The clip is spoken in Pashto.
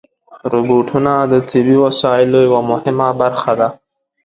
روبوټونه د طبي وسایلو یوه مهمه برخه ده.